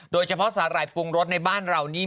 โดยเฉพาะสาหร่ายปรุงรสในบ้านเรานี่